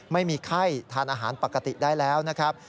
ไม่มีไข้ทานอาหารปกติได้แล้วนะครับ